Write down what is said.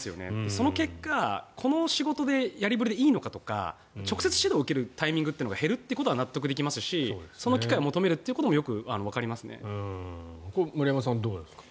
その結果、この仕事でやりぶりでいいのかとか直接指導を受けるタイミングが減るということは納得できますしその機会を求めることも森山さんどうですか。